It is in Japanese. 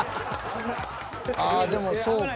［ああでもそうか］